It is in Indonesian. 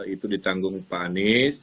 itu ditanggung pak anies